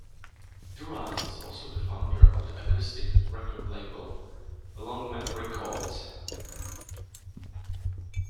Durrant is also the founder of the acoustic record label LongMan Records.